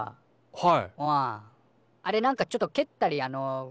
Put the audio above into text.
はい。